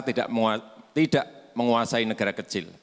tidak menguasai negara kecil